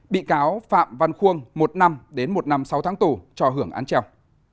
bị cáo phạm văn khuôn một năm đến một năm sáu tháng tù cho hưởng án treo